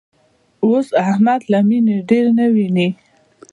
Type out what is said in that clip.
اوس احمد له مینې ډېر نه ویني.